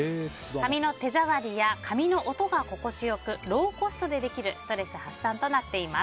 紙の手触りや紙の音が心地よくローコストでできるストレス発散となっています。